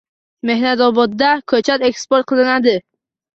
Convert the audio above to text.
“Mehnatobod”da ko‘chat eksport qilinadi